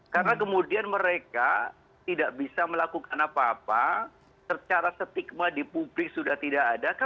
karena kemudian mereka tidak bisa melakukan apa apa secara stigma di publik sudah tidak ada